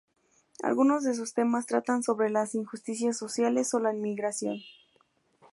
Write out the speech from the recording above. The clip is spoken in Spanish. Algunos de sus temas tratan sobre las injusticias sociales o la inmigración.